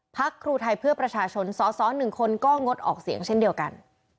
ครูไทยเพื่อประชาชนสส๑คนก็งดออกเสียงเช่นเดียวกัน